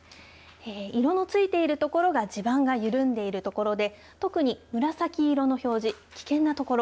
色のついている所が地盤が緩んでいる所で特に紫色の表示危険な所。